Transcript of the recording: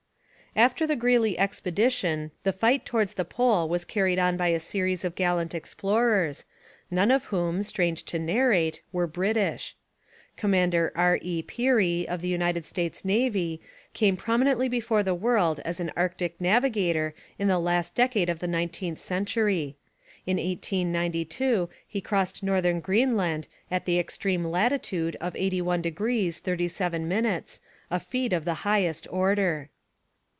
After the Greeley expedition the fight towards the Pole was carried on by a series of gallant explorers, none of whom, strange to narrate, were British. Commander R. E. Peary, of the United States Navy, came prominently before the world as an Arctic navigator in the last decade of the nineteenth century. In 1892 he crossed northern Greenland in the extreme latitude of 81° 37', a feat of the highest order.